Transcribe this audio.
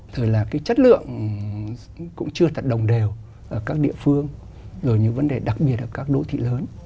thời là cái chất lượng cũng chưa tận đồng đều ở các địa phương rồi những vấn đề đặc biệt ở các đô thị lớn